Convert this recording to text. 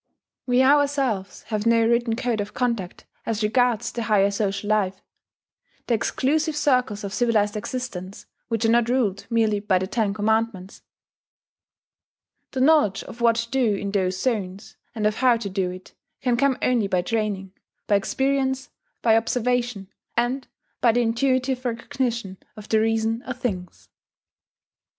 We ourselves have no written code of conduct as regards the higher social life, the exclusive circles of civilized existence, which are not ruled merely by the Ten Commandments. The knowledge of what to do in those zones, and of how to do it, can come only by training, by experience, by observation, and by the intuitive recognition of the reason of things.